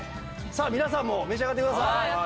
皆さんも召し上がってください。